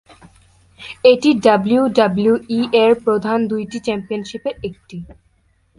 এটি ডাব্লিউডাব্লিউই-এর প্রধান দুইটি চ্যাম্পিয়নশিপের একটি।